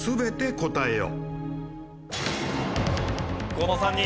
この３人。